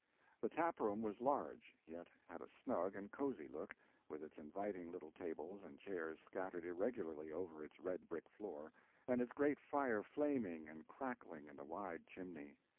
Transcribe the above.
The tap room was large, yet had a snug and cozy look, with its inviting little tables and chairs scattered irregularly over its red brick floor, and its great fire flaming and crackling in the wide chimney.